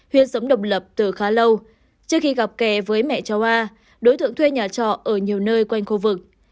huyên sống độc lập từ khá lâu trước khi gặp kè với mẹ cháu a đối tượng thuê nhà trọ ở nhiều nơi quanh khu vực